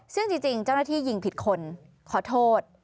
ซึ่งจริงเจ้าหน้าที่ยิงผิดคนขอโทษ